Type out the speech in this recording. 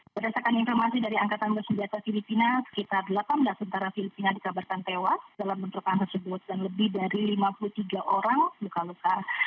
berdasarkan informasi dari angkatan bersenjata filipina sekitar delapan belas tentara filipina dikabarkan tewas dalam bentrokan tersebut dan lebih dari lima puluh tiga orang luka luka